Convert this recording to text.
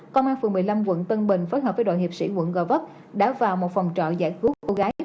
công an phường một mươi năm quận tân bình phối hợp với đoàn hiệp sĩ quận gò vấp đã vào một phòng trọ giải cứu cô gái